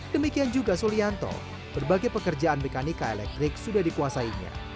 demikian juga sulianto berbagai pekerjaan mekanika elektrik sudah dikuasainya